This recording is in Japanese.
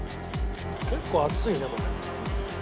結構厚いねこれ。